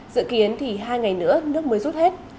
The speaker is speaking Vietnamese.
dự kiến thì hai ngày nữa nước mới rút hết